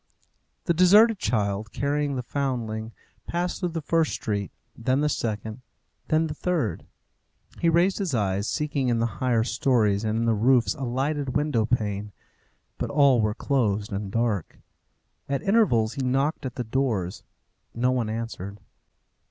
The deserted child, carrying the foundling, passed through the first street, then the second, then the third. He raised his eyes, seeking in the higher stories and in the roofs a lighted window pane; but all were closed and dark. At intervals he knocked at the doors. No one answered.